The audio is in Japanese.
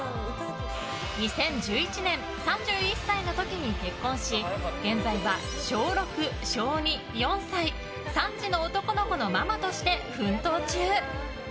２０１１年、３１歳の時に結婚し現在は小６、小２、４歳３児の男の子のママとして奮闘中。